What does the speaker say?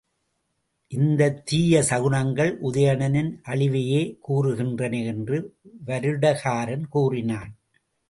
இந்தத் தீய சகுனங்கள் உதயணனின் அழிவையே கூறுகின்றன என்று வருடகாரன் கூறினான்.